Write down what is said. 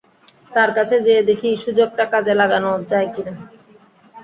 তার কাছে যেয়ে দেখি, সুযোগটা কাজে লাগানো যায় কি না।